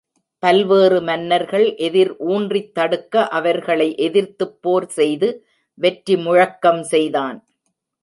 பல்வேறு மன்னர்கள் எதிர் ஊன்றித் தடுக்க அவர்களை எதிர்த்துப் போர் செய்து வெற்றி முழக்கம் செய்தான்.